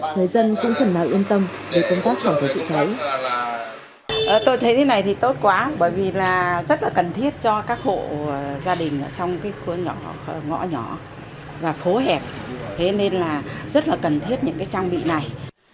người dân cũng phần nào yên tâm về công tác phòng cháy chữa cháy